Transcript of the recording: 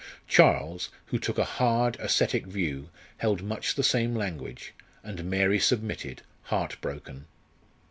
Charles, who took a hard, ascetic view, held much the same language, and Mary submitted, heart broken.